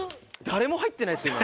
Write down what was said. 誰も入ってないですよ